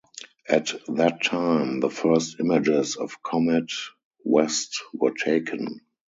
At that time, the first images of Comet West were taken.